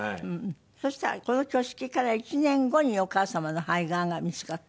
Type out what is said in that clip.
そしたらこの挙式から１年後にお母様の肺がんが見つかった？